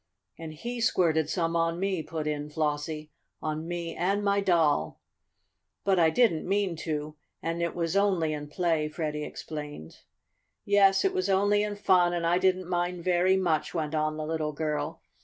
"And he squirted some on me," put in Flossie. "On me and my doll." "But I didn't mean to an' it was only play," Freddie explained. "Yes, it was only in fun, and I didn't mind very much," went on the little girl.